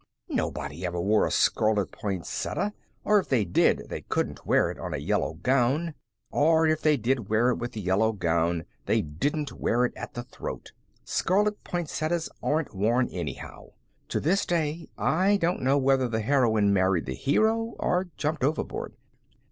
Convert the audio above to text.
Nobody ever wore a scarlet poinsettia; or if they did, they couldn't wear it on a yellow gown. Or if they did wear it with a yellow gown, they didn't wear it at the throat. Scarlet poinsettias aren't worn, anyhow. To this day I don't know whether the heroine married the hero or jumped overboard.